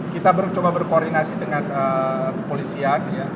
kita coba berkoordinasi dengan kepolisian